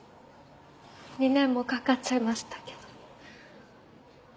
２年もかかっちゃいましたけど。